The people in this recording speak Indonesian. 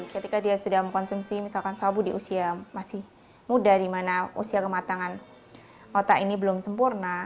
ketika dia sudah mengkonsumsi misalkan sabu di usia masih muda di mana usia kematangan otak ini belum sempurna